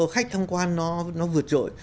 khách thăm quan nó vượt trội